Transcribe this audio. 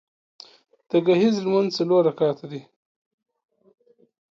د ګهیځ لمونځ څلور رکعته ده